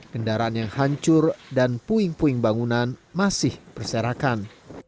kendaraan yang hancur dan puing puing bangunan masih berserakan